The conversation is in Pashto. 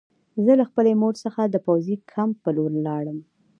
زه له خپلې مور څخه د پوځي کمپ په لور لاړم